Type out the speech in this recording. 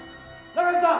中瀬さん？